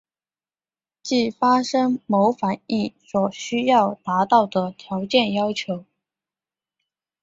即发生某反应所需要达到的条件要求。